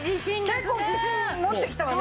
結構自信持って来たわね！